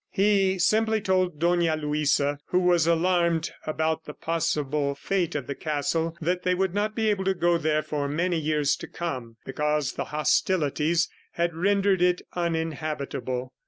... He simply told Dona Luisa, who was alarmed about the possible fate of the castle, that they would not be able to go there for many years to come, because the hostilities had rendered it uninhabitable.